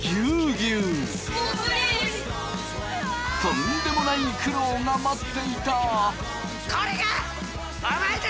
とんでもない苦労が待っていた！